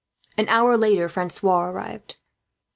An hour later Francois arrived.